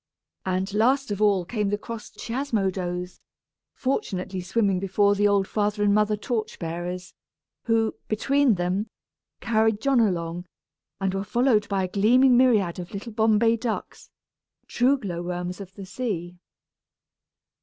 And, last of all, came the cross Chiasmodos, fortunately swimming before the old father and mother torch bearers, who, between them, carried John along, and were followed by a gleaming myriad of little Bombay ducks, true glow worms of the sea.